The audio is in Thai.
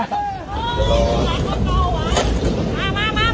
สวัสดีครับ